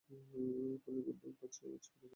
ফুলের গন্ধও ওর কাছে আজ পীড়াদায়ক।